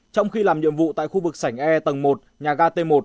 trong khi làm nhiệm vụ tại khu vực sảnh e tầng một nhà ga t một